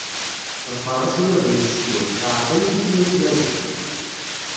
Ḍefreɣ acrured n tsekkurt, teɛreq-iyi tikli n tyaẓiḍt.